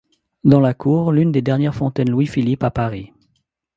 Dans la cour, l’une des dernières fontaines Louis-Philippe à Paris.